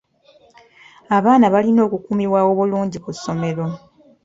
Abaana balina okukuumibwa obulungi ku ssomero.